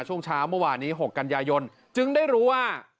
ช่วงเช้าเมื่อวานนี้๖กันยายนจึงได้รู้ว่า